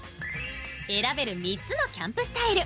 選べる３つのキャンプスタイル。